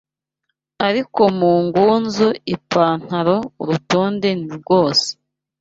Ariko mu ngunzu ipantaro urutonde ni rwose